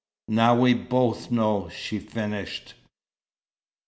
"Now we both know," she finished.